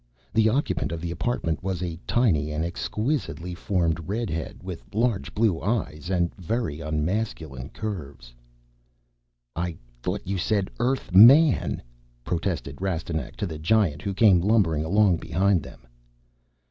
The occupant of the apartment was a tiny and exquisitely formed redhead with large blue eyes and very unmasculine curves! "I thought you said Earth_man_?" protested Rastignac to the Giant who came lumbering along behind them.